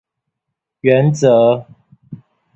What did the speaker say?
原則